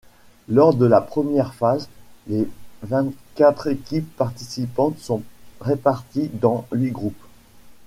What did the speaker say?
Lors de la première phase, les vingt-quatre équipes participantes sont réparties dans huit groupes.